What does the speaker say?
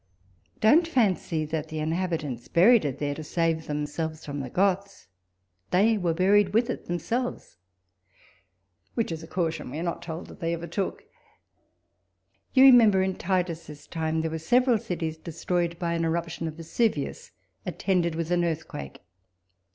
Don't fancy the in habitants buried it there to save it from the Goths : they were b'^iiried with it themselves ; which is a caution we are not told that they ever took. You remember in Titus's time there were several cities destroyed by an eruption of Vesu vius, attended with an earthquake.